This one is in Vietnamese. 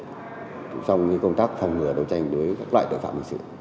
chỉ đạo hệ lực lượng trong công tác phòng ngừa đấu tranh với các loại tội phạm